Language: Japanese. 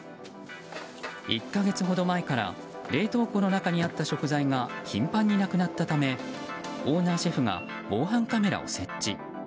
１か月ほど前から冷凍庫の中にあった食材が頻繁になくなったためオーナーシェフが防犯カメラを設置。